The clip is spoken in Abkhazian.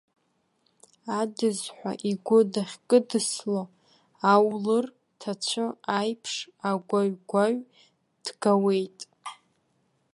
Адызҳәа игәы дахькыдсыло аулыр ҭацәы аиԥш агәаҩ-агәаҩ ҭгауеит.